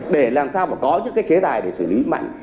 để làm sao mà có những cái chế tài để xử lý mạnh